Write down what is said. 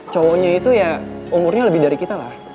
cowoknya itu ya umurnya lebih dari kita lah